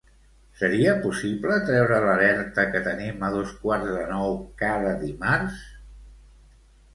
Seria possible treure l'alerta que tenim a dos quarts de nou cada dimarts?